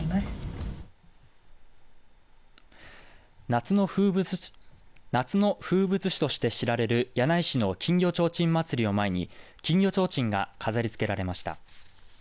夏の風物詩として知られる柳井市の金魚ちょうちんまつりを前に金魚ちょうちんが飾りつけられました。